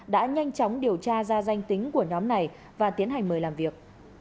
đã nhanh chóng điều tra ra danh tính của nhóm này và tiến hành mời làm việc